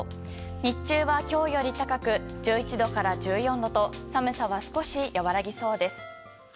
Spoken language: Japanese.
日中は今日より高く１１度から１４度と寒さは少し和らぎそうです。